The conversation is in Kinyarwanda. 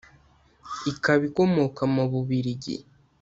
ikaba ikomoka mu Bubiligi